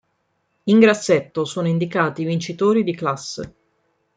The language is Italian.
In grassetto sono indicati i vincitori di classe.